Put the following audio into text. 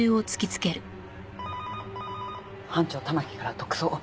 班長玉城から特捜。